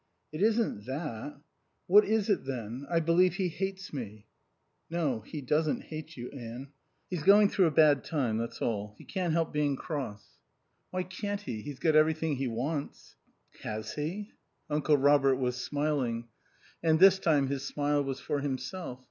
"It isn't that." "What is it, then? I believe he hates me." "No. He doesn't hate you, Anne. He's going through a bad time, that's all. He can't help being cross." "Why can't he? He's got everything he wants." "Has he?" Uncle Robert was smiling. And this time his smile was for himself.